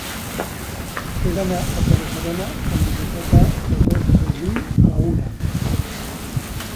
He d'anar a Torre-serona amb bicicleta el dos de juny a la una.